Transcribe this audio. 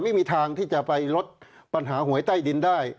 ไม่มีทางที่จะไปลดปัญหาหวยใต้ดินได้